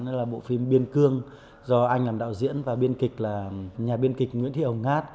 đó là bộ phim biên cương do anh làm đạo diễn và nhà biên kịch nguyễn thị hồng ngát